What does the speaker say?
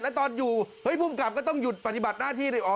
แล้วตอนอยู่ภูมิกรับก็ต้องหยุดปฏิบัติหน้าที่เลย